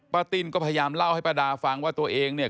ติ้นก็พยายามเล่าให้ป้าดาฟังว่าตัวเองเนี่ย